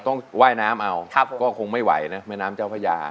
ว่ายน้ำเอาก็คงไม่ไหวนะแม่น้ำเจ้าพระยา